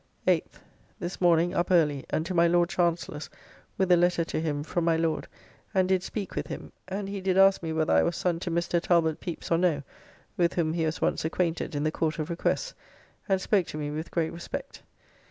8th. This morning up early, and to my Lord Chancellor's with a letter to him from my Lord, and did speak with him; and he did ask me whether I was son to Mr. Talbot Pepys or no (with whom he was once acquainted in the Court of Requests), and spoke to me with great respect.